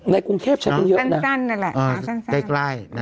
ในกรุงเทพชาปุ่นเยอะนะใกล้